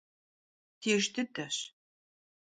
Mıbdêjj dıdeş.